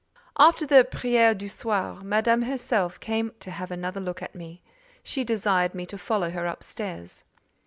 After the "prière du soir," Madame herself came to have another look at me. She desired me to follow her up stairs.